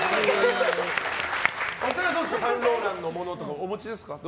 お二人はサンローランのものとかお持ちですか？